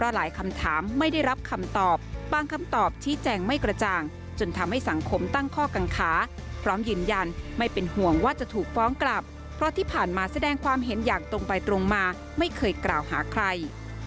หลายคำถามไม่ได้รับคำตอบบางคำตอบชี้แจงไม่กระจ่างจนทำให้สังคมตั้งข้อกังขาพร้อมยืนยันไม่เป็นห่วงว่าจะถูกฟ้องกลับเพราะที่ผ่านมาแสดงความเห็นอย่างตรงไปตรงมาไม่เคยกล่าวหาใคร